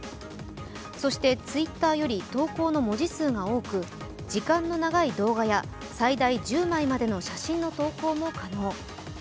そしてＴｗｉｔｔｅｒより投稿の文字数が多く時間の長い動画や最大１０枚までの写真の投稿も可能。